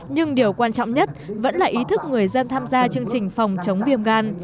nhưng điều quan trọng nhất vẫn là ý thức người dân tham gia chương trình phòng chống viêm gan